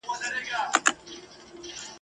پتڼ له ګل او لاله زاره سره نه جوړیږي !.